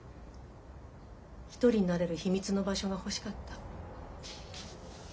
一人になれる秘密の場所が欲しかった。